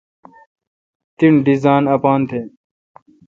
تن ڈیزان اپاتھ